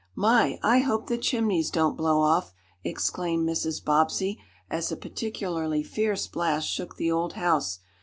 "My! I hope the chimneys don't blow off!" exclaimed Mrs. Bobbsey, as a particularly fierce blast shook the old house.